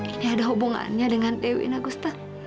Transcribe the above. ini ada hubungannya dengan dewi nak gustaf